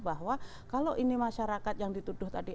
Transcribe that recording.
bahwa kalau ini masyarakat yang dituduh tadi